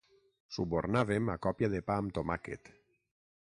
Subornàvem a còpia de pa amb tomàquet.